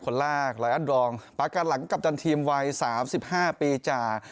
คนลากหลายอัดรองปากกันหลังกับจันทีมวัย๓๕ปีจ่า